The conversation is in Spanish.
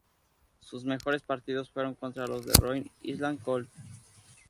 Sus mejores partidos fueron contra los "Rhode Island Col.